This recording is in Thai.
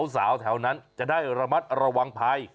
สาวแถวนั้นจะได้ระมัดระวังภัย